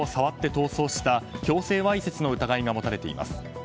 逃走した強制わいせつの疑いが持たれています。